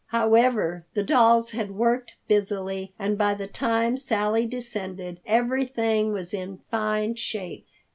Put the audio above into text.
However, the dolls had worked busily, and by the time Sally descended everything was in fine shape.